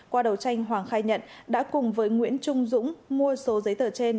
qua đầu tranh hoàng khai nhận đã cùng với nguyễn trung dũng mua số giấy tờ trên